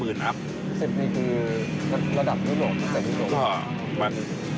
ึกคือระดับน้วนต้องไปประมาณรุนรม